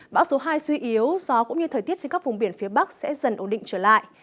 bão số hai suy yếu gió cũng như thời tiết trên các vùng biển phía bắc sẽ dần ổn định trở lại